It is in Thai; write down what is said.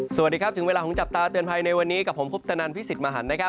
สวัสดีครับถึงเวลาของจับตาเตือนภัยในวันนี้กับผมคุปตนันพิสิทธิ์มหันนะครับ